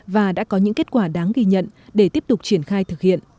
và đã có những kết quả đáng ghi nhận để tiếp tục triển khai thực hiện